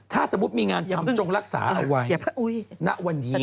ถ้าสมมุติมีงานทำจงรักษาเอาไว้ณวันนี้